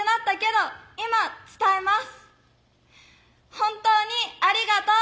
本当にありがとう！